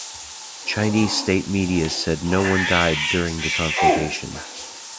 Chinese state media said no one died during the confrontation.